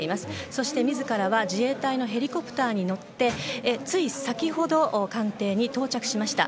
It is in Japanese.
そして、自らは自衛隊のヘリコプターに乗ってつい先ほど、官邸に到着しました。